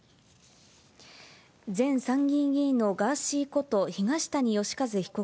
前参議院議員のガーシーこと、東谷義和被告